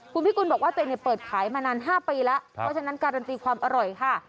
คุณพิกุลบอกว่าตัวเองเปิดขายมานาน๕ปีแล้วเพราะฉะนั้นการันตีความอร่อยค่ะ